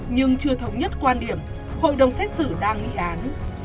nhưng chưa thống nhất quan điểm hội đồng xét xử đang nghị án